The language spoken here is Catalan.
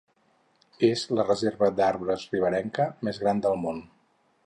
És la reserva d'arbres riberenca més gran del món.